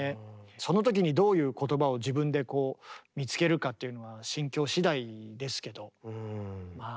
その時にどういう言葉を自分でこう見つけるかっていうのは心境しだいですけどまあ